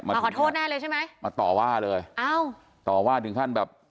มาขอโทษแน่เลยใช่ไหมมาต่อว่าเลยอ้าวต่อว่าถึงขั้นแบบ